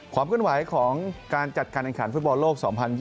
ความกลับไหวของการจัดการแข่งขันฟุตบอร์โลก๒๐๒๒